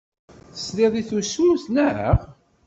Tesliḍ i tusut, naɣ?